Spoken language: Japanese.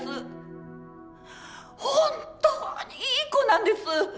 本当にいい子なんです。